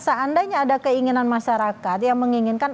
seandainya ada keinginan masyarakat yang menginginkan